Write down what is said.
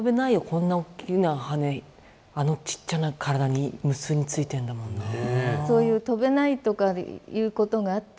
こんなおっきな羽根あのちっちゃな体に無数についてんだもんなあ。